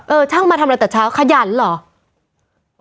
ช่างมาทำอะไรแต่เช้าขยันเหรอ